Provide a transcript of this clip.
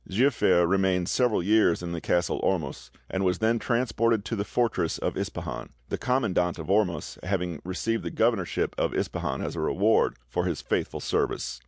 "Giafer remained several years in the castle Ormus, and was then transported to the fortress of Ispahan; the commandant of Ormus having received the governorship of Ispahan as a reward for faithful service.